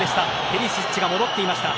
ペリシッチが戻っていました。